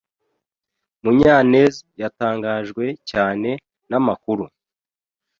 Munyanez yatangajwe cyane namakuru.